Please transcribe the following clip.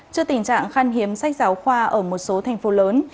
trước tình trạng khăn hiếm sách giáo khoa ở một số thành phố lớn